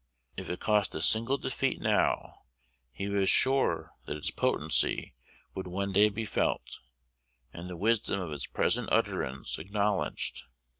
If it cost a single defeat now, he was sure that its potency would one day be felt, and the wisdom of its present utterance acknowledged.